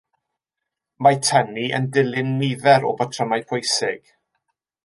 Mae tynnu yn dilyn nifer o batrymau pwysig.